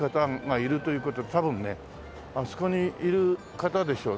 多分ねあそこにいる方でしょう。